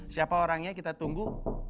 siapa orangnya kita tunggu